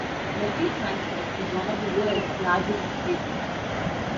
Messe Frankfurt is one of the world's largest trade fairs.